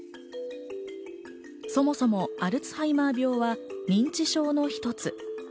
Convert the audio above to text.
そもそもアルツハイマー病は認知症の一つ。